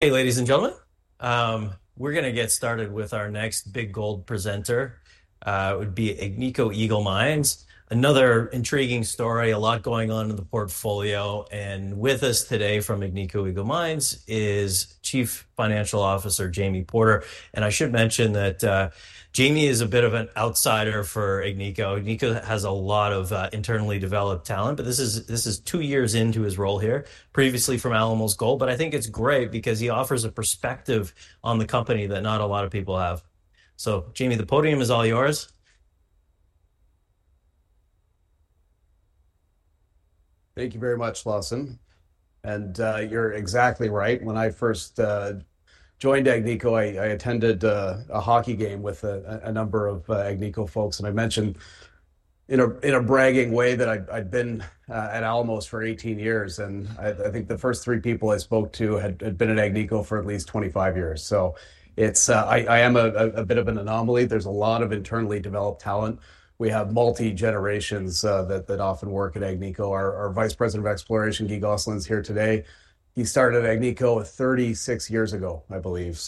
Hey, ladies and gentlemen, we're going to get started with our next big gold presenter. It would be Agnico Eagle Mines. Another intriguing story, a lot going on in the portfolio. With us today from Agnico Eagle Mines is Chief Financial Officer Jamie Porter. I should mention that Jamie is a bit of an outsider for Agnico. Agnico has a lot of internally developed talent, but this is two years into his role here, previously from Alamos Gold. I think it's great because he offers a perspective on the company that not a lot of people have. Jamie, the podium is all yours. Thank you very much, Lawson. You're exactly right. When I first joined Agnico, I attended a hockey game with a number of Agnico folks. I mentioned in a bragging way that I'd been at Alamos for 18 years. I think the first three people I spoke to had been at Agnico for at least 25 years. I am a bit of an anomaly. There's a lot of internally developed talent. We have multi-generations that often work at Agnico. Our Vice President of Exploration, Guy Gosselin, is here today. He started at Agnico 36 years ago, I believe.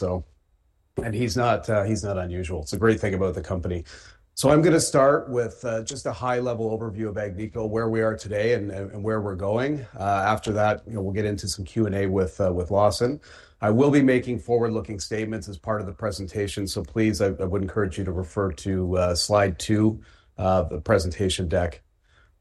He's not unusual. It's a great thing about the company. I'm going to start with just a high-level overview of Agnico, where we are today and where we're going. After that, you know, we'll get into some Q&A with Lawson. I will be making forward-looking statements as part of the presentation. Please, I would encourage you to refer to slide two of the presentation deck.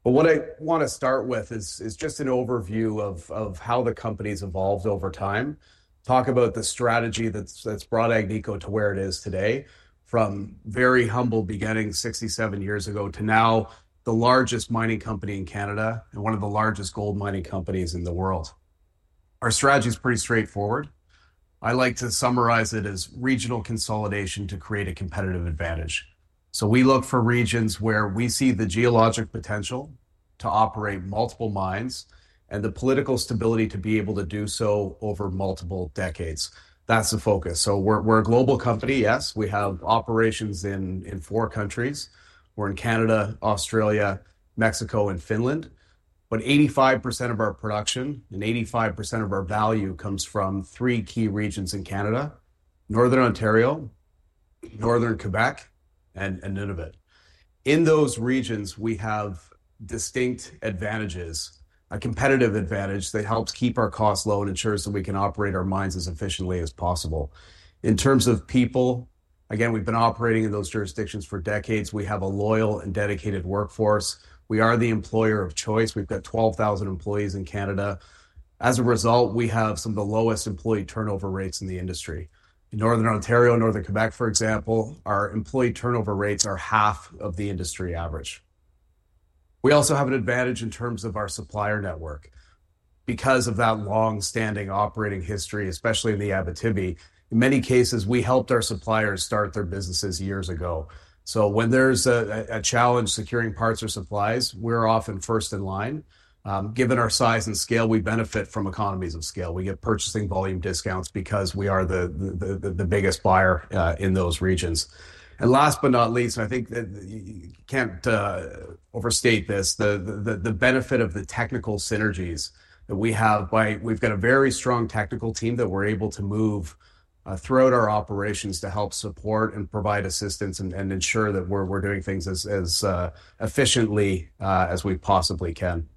What I want to start with is just an overview of how the company's evolved over time. Talk about the strategy that's brought Agnico to where it is today, from very humble beginnings 67 years ago to now the largest mining company in Canada and one of the largest gold mining companies in the world. Our strategy is pretty straightforward. I like to summarize it as regional consolidation to create a competitive advantage. We look for regions where we see the geologic potential to operate multiple mines and the political stability to be able to do so over multiple decades. That's the focus. We're a global company. Yes, we have operations in four countries. We're in Canada, Australia, Mexico, and Finland. 85% of our production and 85% of our value comes from three key regions in Canada: Northern Ontario, Northern Quebec, and Nunavut. In those regions, we have distinct advantages, a competitive advantage that helps keep our costs low and ensures that we can operate our mines as efficiently as possible. In terms of people, again, we've been operating in those jurisdictions for decades. We have a loyal and dedicated workforce. We are the employer of choice. We've got 12,000 employees in Canada. As a result, we have some of the lowest employee turnover rates in the industry. In Northern Ontario, Northern Quebec, for example, our employee turnover rates are half of the industry average. We also have an advantage in terms of our supplier network. Because of that long-standing operating history, especially in the Abitibi, in many cases, we helped our suppliers start their businesses years ago. When there's a challenge securing parts or supplies, we're often first in line. Given our size and scale, we benefit from economies of scale. We get purchasing volume discounts because we are the biggest buyer in those regions. Last but not least, and I think that you can't overstate this, the benefit of the technical synergies that we have by having a very strong technical team that we're able to move throughout our operations to help support and provide assistance and ensure that we're doing things as efficiently as we possibly can.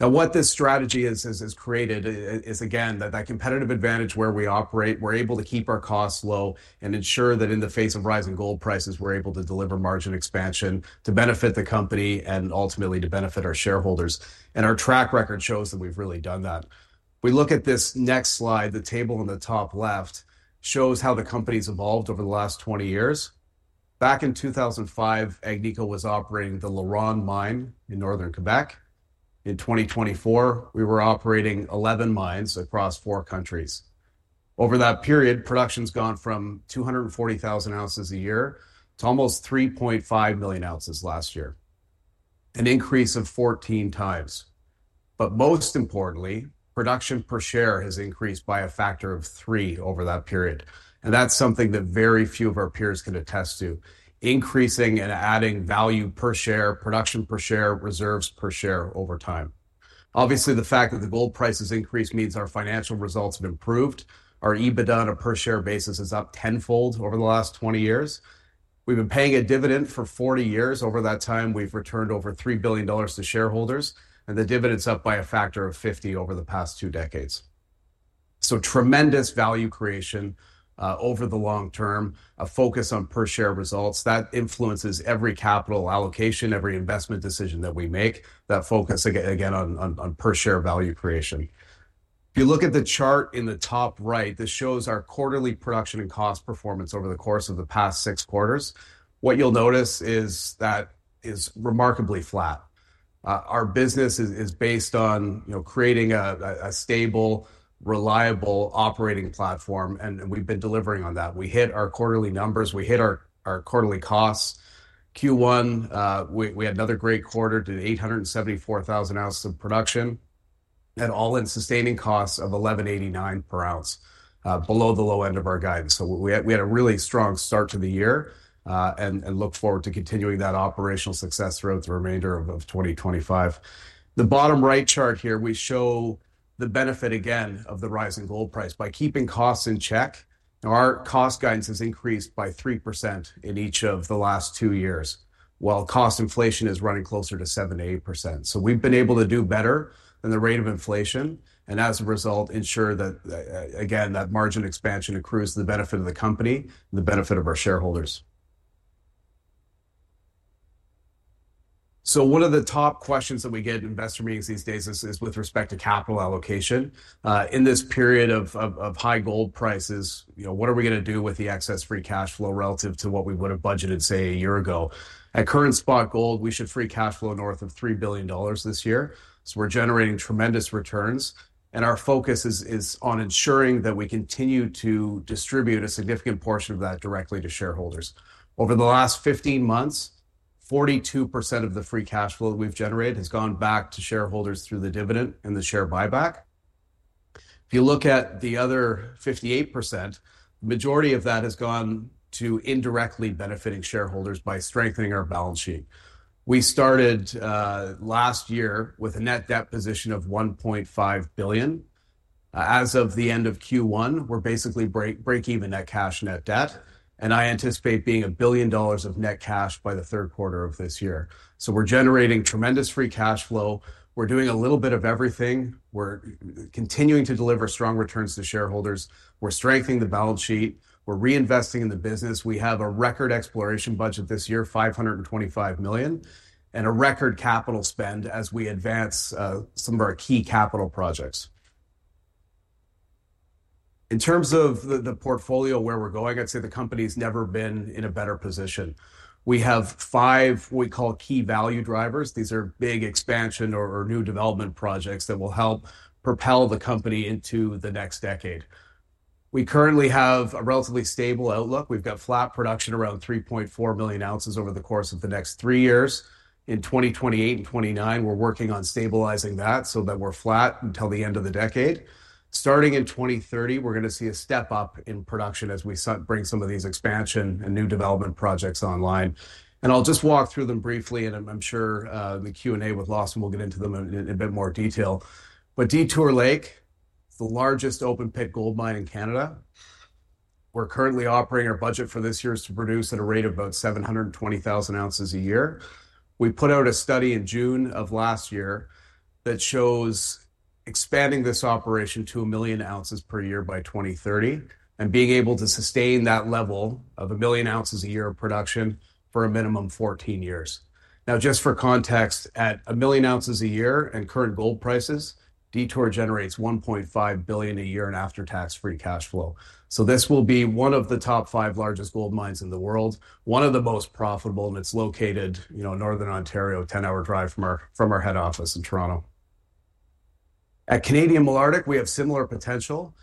Now, what this strategy has created is, again, that competitive advantage where we operate, we're able to keep our costs low and ensure that in the face of rising gold prices, we're able to deliver margin expansion to benefit the company and ultimately to benefit our shareholders. Our track record shows that we've really done that. We look at this next slide. The table in the top left shows how the company's evolved over the last 20 years. Back in 2005, Agnico was operating the LaRonde Mine in Northern Quebec. In 2024, we were operating 11 mines across four countries. Over that period, production's gone from 240,000 oz a year to almost 3.5 million oz last year, an increase of 14 times. Most importantly, production per share has increased by a factor of three over that period. That's something that very few of our peers can attest to: increasing and adding value per share, production per share, reserves per share over time. Obviously, the fact that the gold price has increased means our financial results have improved. Our EBITDA on a per-share basis is up tenfold over the last 20 years. We've been paying a dividend for 40 years. Over that time, we've returned over CAN 3 billion to shareholders, and the dividend's up by a factor of 50 over the past two decades. Tremendous value creation, over the long term, a focus on per-share results that influences every capital allocation, every investment decision that we make, that focus again on per-share value creation. If you look at the chart in the top right, this shows our quarterly production and cost performance over the course of the past six quarters. What you'll notice is that is remarkably flat. Our business is, you know, based on creating a stable, reliable operating platform, and we've been delivering on that. We hit our quarterly numbers. We hit our quarterly costs. Q1, we had another great quarter, did 874,000 oz of production, had all-in sustaining costs of CAN 1,189 per ounce, below the low end of our guidance. We had a really strong start to the year, and look forward to continuing that operational success throughout the remainder of 2025. The bottom right chart here, we show the benefit again of the rising gold price by keeping costs in check. Now, our cost guidance has increased by 3% in each of the last two years, while cost inflation is running closer to 7%-8%. We have been able to do better than the rate of inflation and, as a result, ensure that, again, that margin expansion accrues to the benefit of the company and the benefit of our shareholders. One of the top questions that we get in investor meetings these days is with respect to capital allocation. In this period of high gold prices, you know, what are we going to do with the excess free cash flow relative to what we would have budgeted, say, a year ago? At current spot gold, we should free cash flow north of CAN 3 billion this year. We are generating tremendous returns. Our focus is on ensuring that we continue to distribute a significant portion of that directly to shareholders. Over the last 15 months, 42% of the free cash flow that we've generated has gone back to shareholders through the dividend and the share buyback. If you look at the other 58%, the majority of that has gone to indirectly benefiting shareholders by strengthening our balance sheet. We started last year with a net debt position of CAN 1.5 billion. As of the end of Q1, we're basically break even net cash, net debt. I anticipate being a billion dollars of net cash by the third quarter of this year. We're generating tremendous free cash flow. We're doing a little bit of everything. We're continuing to deliver strong returns to shareholders. We're strengthening the balance sheet. We're reinvesting in the business. We have a record exploration budget this year, CAN 525 million, and a record capital spend as we advance some of our key capital projects. In terms of the portfolio where we're going, I'd say the company's never been in a better position. We have five, what we call key value drivers. These are big expansion or new development projects that will help propel the company into the next decade. We currently have a relatively stable outlook. We've got flat production around 3.4 million oz over the course of the next three years. In 2028 and 2029, we're working on stabilizing that so that we're flat until the end of the decade. Starting in 2030, we're going to see a step up in production as we bring some of these expansion and new development projects online. I'll just walk through them briefly, and I'm sure the Q&A with Lawson will get into them in a bit more detail. Detour Lake is the largest open-pit gold mine in Canada. We're currently operating. Our budget for this year is to produce at a rate of about 720,000 oz a year. We put out a study in June of last year that shows expanding this operation to 1 million oz per year by 2030 and being able to sustain that level of 1 million oz a year of production for a minimum of 14 years. Now, just for context, at 1 million oz a year and current gold prices, Detour generates CAN 1.5 billion a year in after-tax free cash flow. This will be one of the top five largest gold mines in the world, one of the most profitable, and it's located, you know, in Northern Ontario, a 10-hour drive from our, from our head office in Toronto. At Canadian Malartic, we have similar potential.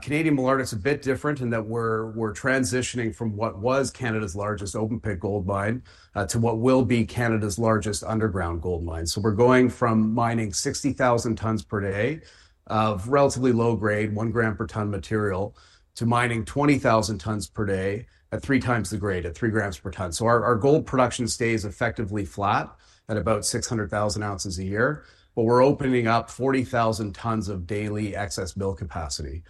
Canadian Malartic's a bit different in that we're transitioning from what was Canada's largest open-pit gold mine to what will be Canada's largest underground gold mine. We're going from mining 60,000 tons per day of relatively low-grade, one gram per ton material, to mining 20,000 tons per day at three times the grade, at three grams per ton. Our gold production stays effectively flat at about 600,000 oz a year, but we're opening up 40,000 tons of daily excess mill capacity.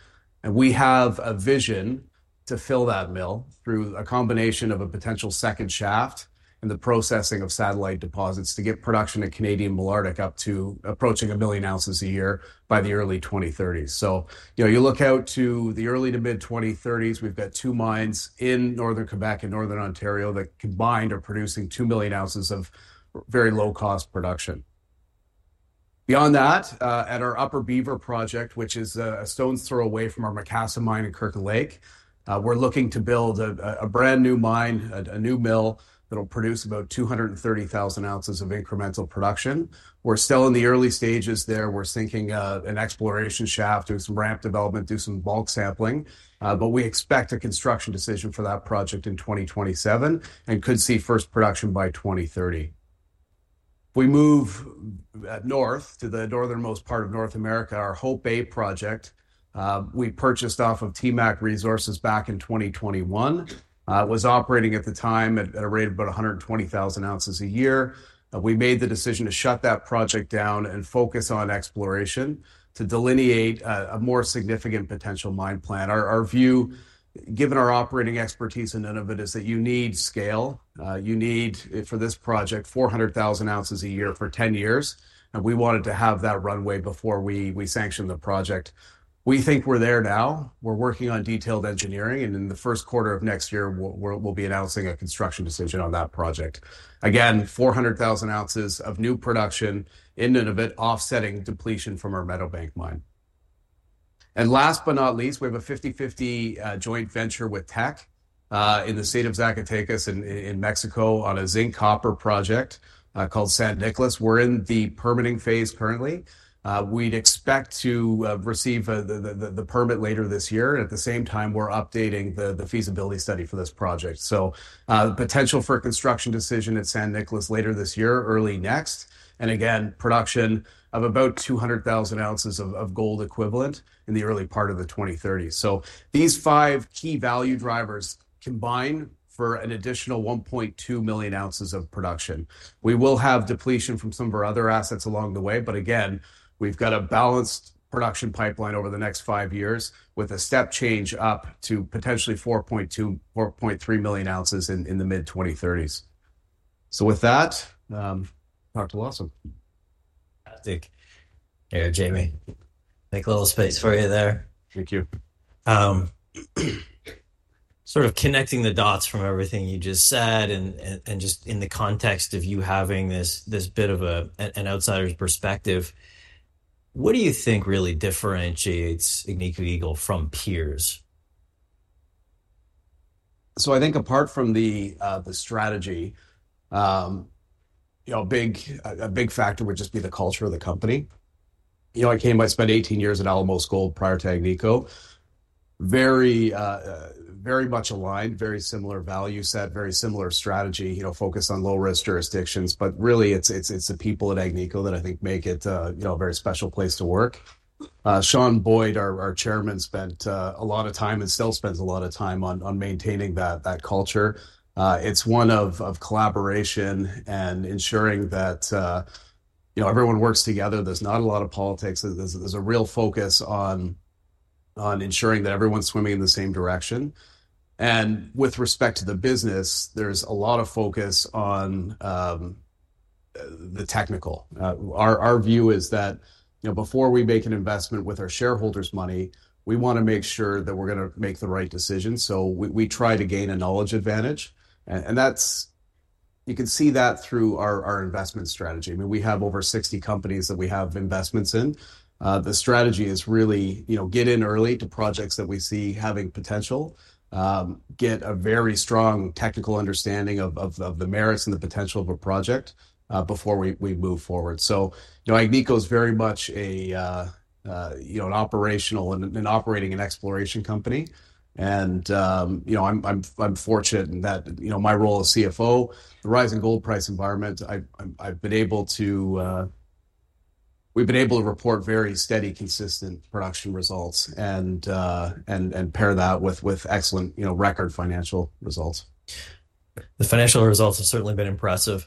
We have a vision to fill that mill through a combination of a potential second shaft and the processing of satellite deposits to get production at Canadian Malartic up to approaching one million oz a year by the early 2030s. You know, you look out to the early to mid-2030s, we have two mines in Northern Quebec and Northern Ontario that combined are producing 2 million oz of very low-cost production. Beyond that, at our Upper Beaver project, which is a stone's throw away from our Macassa mine in Kirkland Lake, we are looking to build a brand new mine, a new mill that will produce about 230,000 oz of incremental production. We are still in the early stages there. We are thinking, an exploration shaft, do some ramp development, do some bulk sampling, but we expect a construction decision for that project in 2027 and could see first production by 2030. If we move north to the northernmost part of North America, our Hope Bay project, we purchased off of TMAC Resources back in 2021, it was operating at the time at a rate of about 120,000 oz a year. We made the decision to shut that project down and focus on exploration to delineate a more significant potential mine plan. Our view, given our operating expertise in Nunavut, is that you need scale. You need for this project 400,000 oz a year for 10 years. We wanted to have that runway before we sanctioned the project. We think we're there now. We're working on detailed engineering. In the first quarter of next year, we'll be announcing a construction decision on that project. 400,000 oz of new production in Nunavut, offsetting depletion from our Meadowbank mine. Last but not least, we have a 50/50 joint venture with Teck in the state of Zacatecas in Mexico on a zinc copper project called San Nicholas. We're in the permitting phase currently. We'd expect to receive the permit later this year. At the same time, we're updating the feasibility study for this project. The potential for a construction decision at San Nicholas later this year, early next, and again, production of about 200,000 oz of gold equivalent in the early part of the 2030s. These five key value drivers combine for an additional 1.2 million oz of production. We will have depletion from some of our other assets along the way, but again, we've got a balanced production pipeline over the next five years with a step change up to potentially 4.2 million-4.3 million oz in the mid-2030s. With that, Dr. Lawson. Fantastic. Hey, Jamie, make a little space for you there. Thank you. Sort of connecting the dots from everything you just said and, and just in the context of you having this, this bit of an outsider's perspective, what do you think really differentiates Agnico Eagle from peers?. I think apart from the strategy, you know, a big factor would just be the culture of the company. You know, I came, I spent 18 years at Alamos Gold prior to Agnico. Very, very much aligned, very similar value set, very similar strategy, you know, focus on low-risk jurisdictions. But really, it's the people at Agnico that I think make it, you know, a very special place to work. Sean Boyd, our chairman, spent a lot of time and still spends a lot of time on maintaining that culture. It's one of collaboration and ensuring that, you know, everyone works together. There's not a lot of politics. There's a real focus on ensuring that everyone's swimming in the same direction. With respect to the business, there's a lot of focus on the technical. Our view is that, you know, before we make an investment with our shareholders' money, we want to make sure that we're going to make the right decision. We try to gain a knowledge advantage, and you can see that through our investment strategy. I mean, we have over 60 companies that we have investments in. The strategy is really, you know, get in early to projects that we see having potential, get a very strong technical understanding of the merits and the potential of a project before we move forward. You know, Agnico is very much an operational and operating and exploration company. You know, I'm fortunate in that my role as CFO, the rising gold price environment, I've been able to, we've been able to report very steady, consistent production results and pair that with excellent, you know, record financial results. The financial results have certainly been impressive.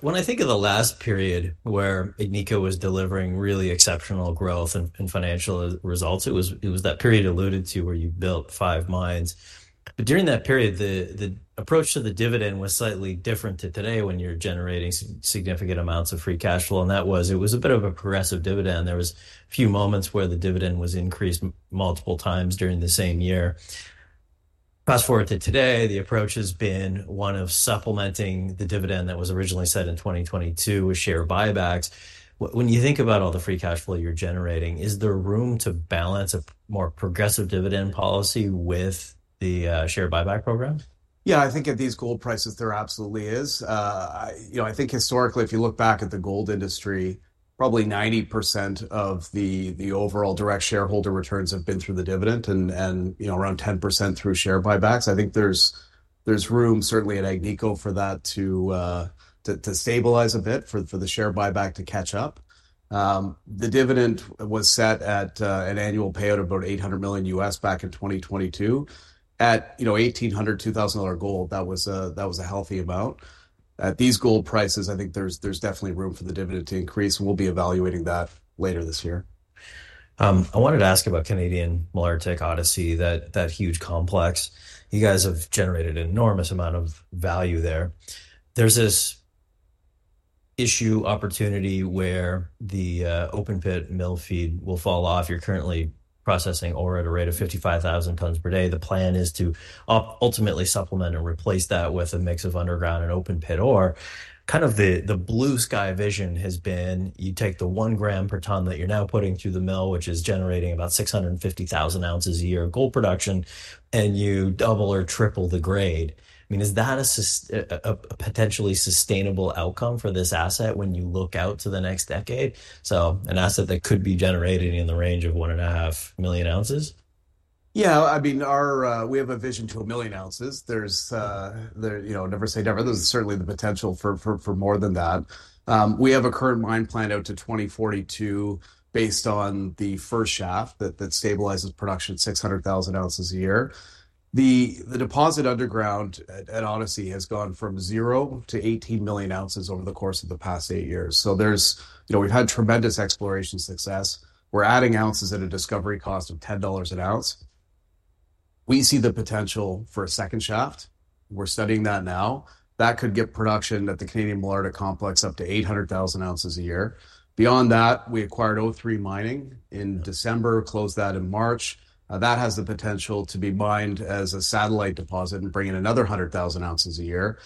When I think of the last period where Agnico was delivering really exceptional growth and financial results, it was that period alluded to where you built five mines. During that period, the approach to the dividend was slightly different to today when you're generating significant amounts of free cash flow. That was a bit of a progressive dividend. There were a few moments where the dividend was increased multiple times during the same year. Fast forward to today, the approach has been one of supplementing the dividend that was originally set in 2022 with share buybacks. When you think about all the free cash flow you're generating, is there room to balance a more progressive dividend policy with the share buyback program?. Yeah, I think at these gold prices, there absolutely is. I, you know, I think historically, if you look back at the gold industry, probably 90% of the overall direct shareholder returns have been through the dividend and, you know, around 10% through share buybacks. I think there's room certainly at Agnico for that to stabilize a bit, for the share buyback to catch up. The dividend was set at an annual payout of about $800 million U.S. back in 2022 at, you know, $1,800-$2,000 gold. That was a, that was a healthy amount. At these gold prices, I think there's, there's definitely room for the dividend to increase. We'll be evaluating that later this year. I wanted to ask about Canadian Malartic Odyssey, that, that huge complex. You guys have generated an enormous amount of value there. There's this issue opportunity where the open-pit mill feed will fall off. You're currently processing ore at a rate of 55,000 tons per day. The plan is to ultimately supplement and replace that with a mix of underground and open-pit ore. Kind of the blue sky vision has been you take the one gram per ton that you're now putting through the mill, which is generating about 650,000 oz a year of gold production, and you double or triple the grade. I mean, is that a potentially sustainable outcome for this asset when you look out to the next decade?. An asset that could be generating in the range of one and a half million oz?. Yeah, I mean, we have a vision to a million ounces. You know, never say never. There's certainly the potential for more than that. We have a current mine plan out to 2042 based on the first shaft that stabilizes production at 600,000 oz a year. The deposit underground at Odyssey has gone from zero to 18 million oz over the course of the past eight years. So there's, you know, we've had tremendous exploration success. We're adding ounces at a discovery cost of CAN 10 an ounce. We see the potential for a second shaft. We're studying that now. That could get production at the Canadian Malartic complex up to 800,000 oz a year. Beyond that, we acquired O3 Mining in December, closed that in March. That has the potential to be mined as a satellite deposit and bring in another 100,000 oz a year.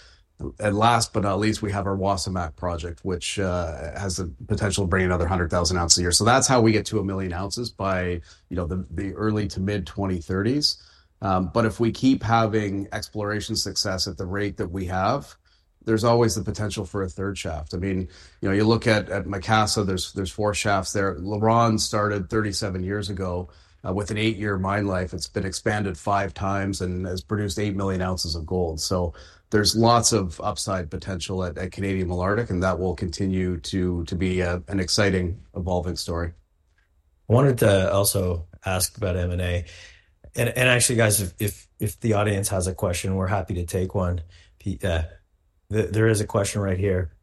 And last but not least, we have our Wasamac project, which has the potential to bring another 100,000 oz a year. So that's how we get to a million ounces by, you know, the early to mid-2030s. If we keep having exploration success at the rate that we have, there's always the potential for a third shaft. I mean, you know, you look at Macassa, there's four shafts there. LaRonde started 37 years ago, with an eight-year mine life. It's been expanded five times and has produced 8 million oz of gold. So there's lots of upside potential at Canadian Malartic, and that will continue to be an exciting, evolving story. I wanted to also ask about M&A. Actually, guys, if the audience has a question, we're happy to take one. There is a question right here.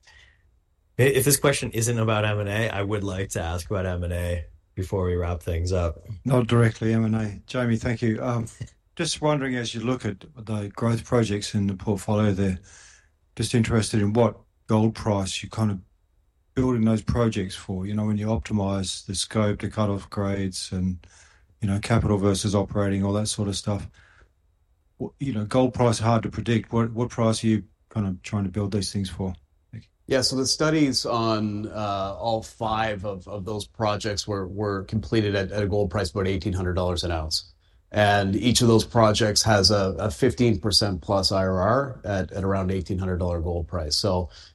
If this question isn't about M&A, I would like to ask about M&A before we wrap things up. Not directly M&A. Jamie, thank you. Just wondering, as you look at the growth projects in the portfolio, they're just interested in what gold price you're kind of building those projects for. You know, when you optimize the scope to cut-off grades and, you know, capital versus operating, all that sort of stuff. You know, gold price is hard to predict. What price are you kind of trying to build these things for?. Yeah, so the studies on all five of those projects were completed at a gold price of about $1,800 an ounce. And each of those projects has a 15% plus IRR at around CAN 1,800 gold price.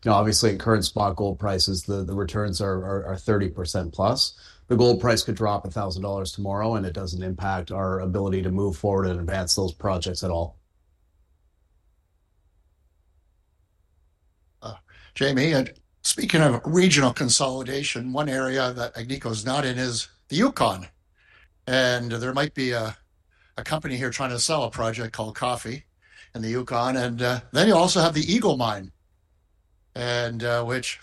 Obviously, in current spot gold prices, the returns are 30% plus. The gold price could drop CAN 1,000 tomorrow, and it doesn't impact our ability to move forward and advance those projects at all. Jamie, and speaking of regional consolidation, one area that Agnico is not in is the Yukon. There might be a company here trying to sell a project called Coffee in the Yukon. You also have the Eagle Mine, which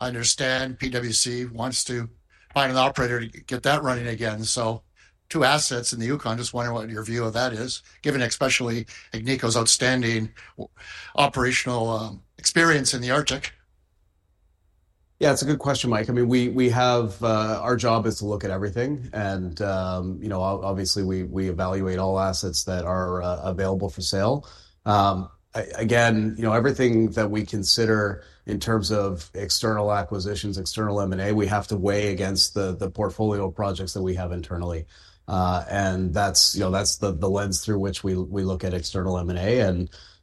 I understand PWC wants to find an operator to get that running again. Two assets in the Yukon. Just wondering what your view of that is, given especially Agnico's outstanding operational experience in the Arctic. Yeah, it's a good question, Mike. I mean, we have, our job is to look at everything. You know, obviously we evaluate all assets that are available for sale. Again, you know, everything that we consider in terms of external acquisitions, external M&A, we have to weigh against the portfolio projects that we have internally. and that's, you know, that's the lens through which we look at external M&A.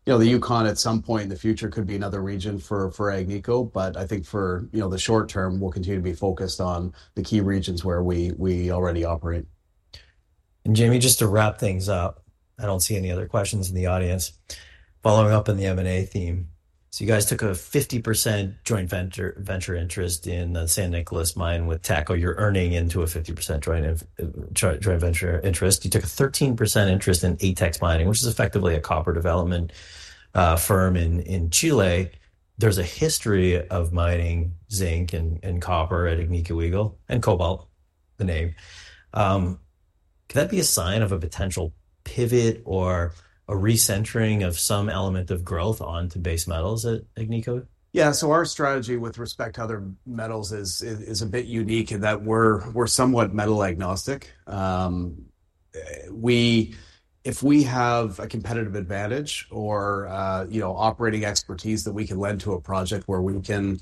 You know, the Yukon at some point in the future could be another region for Agnico. I think for, you know, the short term, we'll continue to be focused on the key regions where we already operate. Jamie, just to wrap things up, I don't see any other questions in the audience. Following up on the M&A theme, you guys took a 50% joint venture interest in the San Nicholas mine with Teck. You're earning into a 50% joint venture interest. You took a 13% interest in ATEX Mining, which is effectively a copper development firm in Chile. There's a history of mining zinc and copper at Agnico Eagle and cobalt, the name. Could that be a sign of a potential pivot or a recentering of some element of growth onto base metals at Agnico?. Yeah, our strategy with respect to other metals is a bit unique in that we're somewhat metal agnostic. If we have a competitive advantage or, you know, operating expertise that we can lend to a project where we can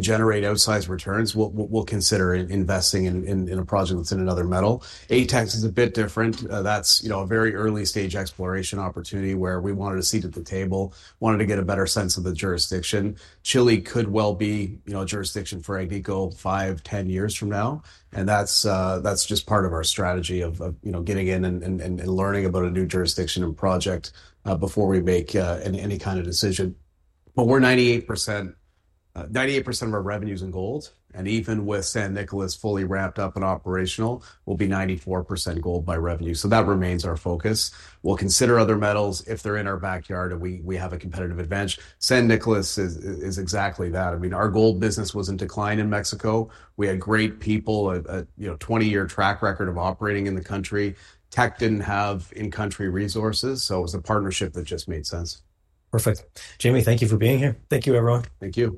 generate outsized returns, we'll consider investing in a project that's in another metal. ATEX is a bit different. That's a very early stage exploration opportunity where we wanted a seat at the table, wanted to get a better sense of the jurisdiction. Chile could well be a jurisdiction for Agnico five to ten years from now. That is just part of our strategy of, you know, getting in and learning about a new jurisdiction and project before we make any kind of decision. We are 98% of our revenues in gold. Even with San Nicholas fully ramped up and operational, we will be 94% gold by revenue. That remains our focus. We will consider other metals if they are in our backyard and we have a competitive advantage. San Nicholas is exactly that. I mean, our gold business was in decline in Mexico. We had great people, a 20-year track record of operating in the country. Teck did not have in-country resources. It was a partnership that just made sense. Perfect. Jamie, thank you for being here. Thank you, everyone. Thank you.